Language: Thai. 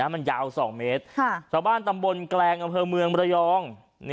มันยาว๒เมตรชาวบ้านตำบลแกลงอำเภอเมืองระยอง